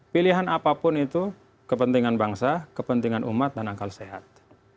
pilihan apapun itu kepentingan bangsa kepentingan umat dan akal sehat